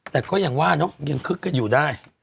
แต่ก็ยังว่าเนอะยังคึกกันอยู่ได้